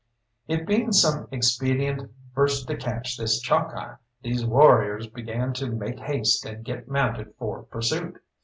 It being some expedient first to catch this Chalkeye, these warriors began to make haste and get mounted for pursuit.